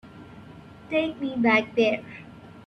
Take me back there.